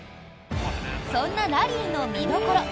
そんなラリーの見どころ